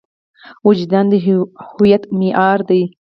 وجدان د هویت معیار دی.